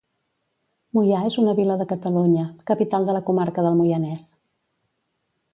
Moià és una vila de Catalunya, capital de la comarca del Moianès.